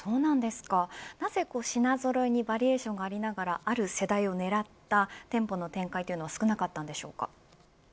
なぜ品ぞろえにバリエーションがありながらある世代をねらった店舗の展開は少なかったんでしょうか。